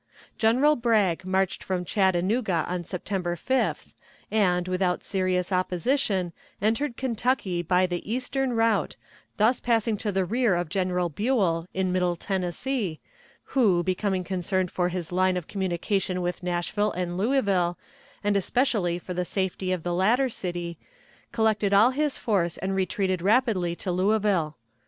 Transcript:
General Bragg marched from Chattanooga on September 5th, and, without serious opposition, entered Kentucky by the eastern route, thus passing to the rear of General Buell in Middle Tennessee, who, becoming concerned for his line of communication with Nashville and Louisville, and especially for the safety of the latter city, collected all his force and retreated rapidly to Louisville.